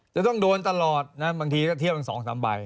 จะต้องโดนตลอดนะครับบางทีก็เทียบ๒๓ใบ